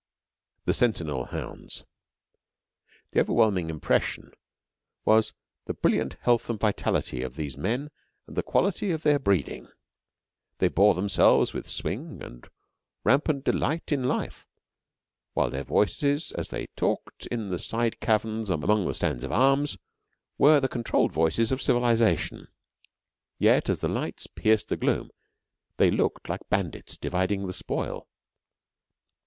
THE SENTINEL HOUNDS The overwhelming impression was the brilliant health and vitality of these men and the quality of their breeding. They bore themselves with swing and rampant delight in life, while their voices as they talked in the side caverns among the stands of arms were the controlled voices of civilization. Yet, as the lights pierced the gloom they looked like bandits dividing the spoil.